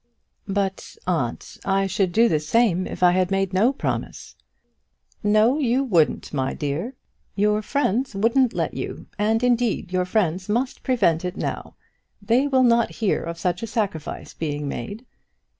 "But, aunt, I should do the same if I had made no promise." "No, you wouldn't, my dear. Your friends wouldn't let you. And indeed your friends must prevent it now. They will not hear of such a sacrifice being made."